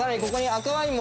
赤ワイン。